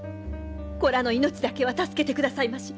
子らの命だけは助けてくださいまし。